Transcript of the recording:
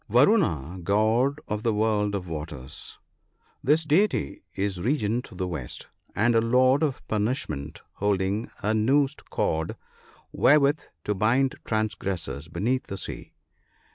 — Varuna, god of the world of waters. This Deity is regent of the west, and a lord of punishment, holding a noosed cord, wherewith to bind transgressors beneath the sea.